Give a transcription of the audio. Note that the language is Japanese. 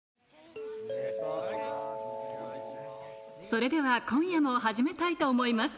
それでは今夜も始めたいと思います